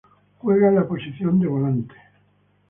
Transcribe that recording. Juega en la posición de Volante.